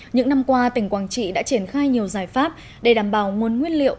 những năm qua tỉnh quảng trị đã triển khai nhiều giải pháp để đảm bảo nguồn nguyên liệu